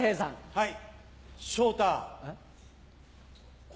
はい。